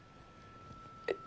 えっ？